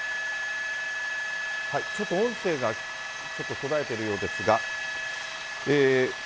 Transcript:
ちょっと音声がちょっと途絶えてるようですが。